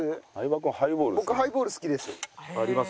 僕ハイボール好きです。